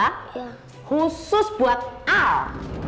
khusus buat al